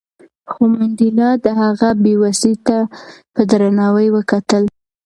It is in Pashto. خو منډېلا د هغه بې وسۍ ته په درناوي وکتل.